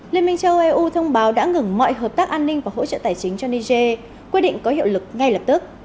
liên minh châu eu thông báo đã ngừng mọi hợp tác an ninh và hỗ trợ tài chính cho niger quyết định có hiệu lực ngay lập tức